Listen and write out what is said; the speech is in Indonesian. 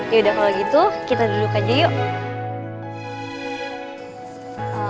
yaudah kalau gitu kita duduk aja yuk